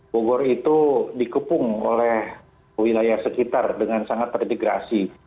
bogor itu dikepung oleh wilayah sekitar dengan sangat terintegrasi